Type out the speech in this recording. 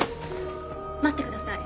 待ってください。